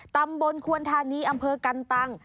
ตำบลควรธานีอำเภอกันตัง